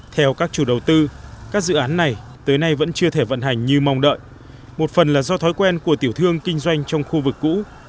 theo các chủ đầu tư các dự án này tới nay vẫn chưa thể vận hành như mong đợi một phần là do thói quen của tiểu thương kinh doanh trong khu vực cũ